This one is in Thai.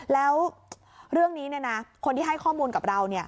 แล้วเรื่องนี้คนที่ให้ข้อมูลกับเรา